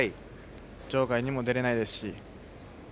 場外にも出れないですし。